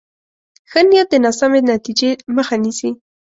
ښه نیت د ناسمې نتیجې مخه نیسي.